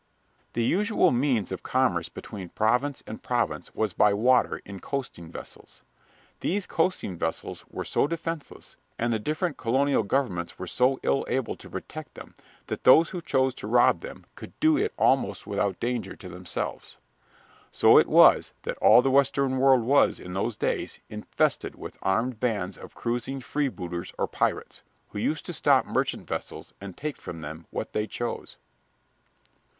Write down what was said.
The usual means of commerce between province and province was by water in coasting vessels. These coasting vessels were so defenseless, and the different colonial governments were so ill able to protect them, that those who chose to rob them could do it almost without danger to themselves. So it was that all the western world was, in those days, infested with armed bands of cruising freebooters or pirates, who used to stop merchant vessels and take from them what they chose.